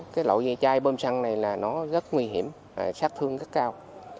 cái loại chai bơm xăng này rất nguy hiểm sát thương rất cao